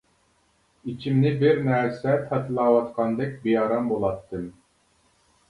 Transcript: ئىچىمنى بىر نەرسە تاتىلاۋاتقاندەك بىئارام بولاتتىم.